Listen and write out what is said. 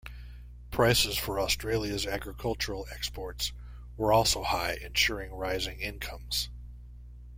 Prices for Australia's agricultural exports were also high, ensuring rising incomes.